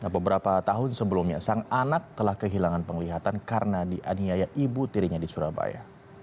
beberapa tahun sebelumnya sang anak telah kehilangan penglihatan karena dianiaya ibu tirinya di surabaya